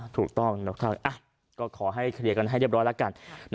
ถูกต้องขอให้เคลียร์กันให้เรียบร้อยละกัน